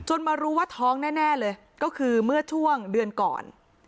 มารู้ว่าท้องแน่เลยก็คือเมื่อช่วงเดือนก่อน